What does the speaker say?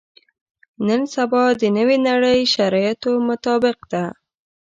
نن سبا د نوې نړۍ شرایطو مطابق ده.